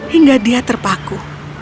hingga dia terpaku